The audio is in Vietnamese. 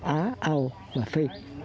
á âu và phi